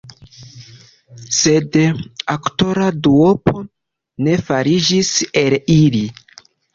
Sed aktora duopo ne fariĝis el ili.